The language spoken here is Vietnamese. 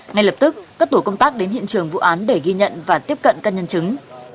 ngay lập tức các tổ công tác đến hiện trường vụ án để ghi nhận và tiếp cận các nhân chứng